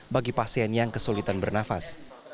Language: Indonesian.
bagi pasien yang kesulitan bernafas